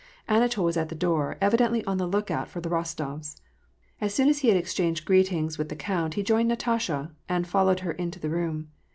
Anatol was at the door, evidently on the lookout for the Rostofs. As soon as he had exchanged greetings with the count, he joined Natasha, and followed her into the room.